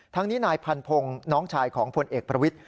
ทั้งนี้นายพันพงศ์น้องชายของพลเอกประวิทธิ